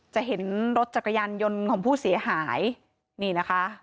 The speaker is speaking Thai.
จะเห็นรถจักรยานยนต์ของผู้เสียหายนี่นะคะ